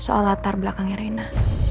soal latar belakangnya reina